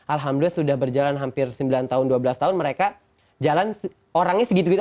alhamdulillah sudah berjalan hampir sembilan tahun dua belas tahun mereka jalan orangnya segitu gitu